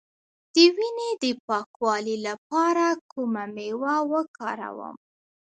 د وینې د پاکوالي لپاره کومه میوه وکاروم؟